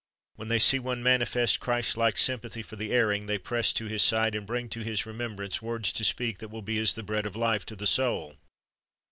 When they see one manifest Christlike sympathy for the erring, they press to his side, and bring to his remembrance words to speak that will be as the bread of life to the soul.